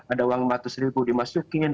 ada uang rp lima ratus dimasukin